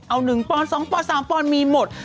เอา๑ป้อน๒ป้อน๓ป้อนมีหมด